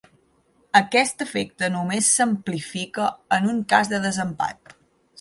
Aquest efecte només s'amplifica en un cas de desempat.